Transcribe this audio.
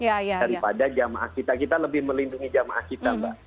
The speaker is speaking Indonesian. daripada jamaah kita kita lebih melindungi jemaah kita mbak